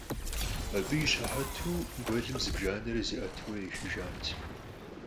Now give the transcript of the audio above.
Абы и щыхьэту гуэлым зыбжанэрэ зиӀэтурэ ехыжат.